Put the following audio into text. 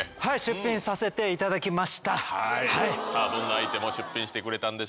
はい出品させていただきました。